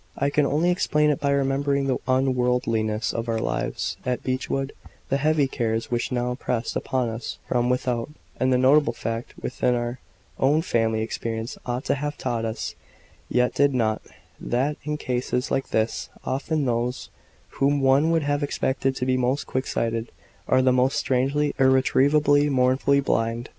I can only explain it by remembering the unworldliness of our lives at Beechwood, the heavy cares which now pressed upon us from without, and the notable fact which our own family experience ought to have taught us, yet did not that in cases like this, often those whom one would have expected to be most quick sighted, are the most strangely, irretrievably, mournfully blind.